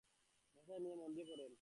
বাসায় নিয়ে মন দিয়ে পড়বেন।